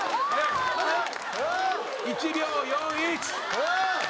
１秒４１！